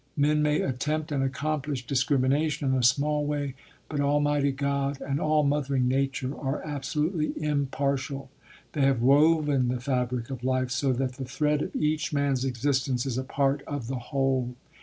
Men may attempt and accomplish discrimination in a small way, but Almighty God and all mothering nature are absolutely impartial. They have woven the fabric of life so that the thread of each man's existence is a part of the whole.